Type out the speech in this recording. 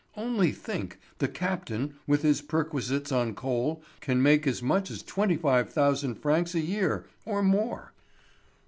Only think, the captain, with his perquisites on coal, can make as much as twenty five thousand francs a year or more."